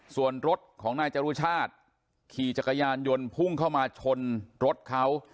ส่วนรถของนายจรุชาติขี่จักรยานยนต์พุ่งเข้ามาชนรถเขา